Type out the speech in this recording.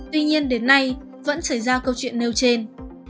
tuy nhiên đến nay vẫn xảy ra câu chuyện nêu trên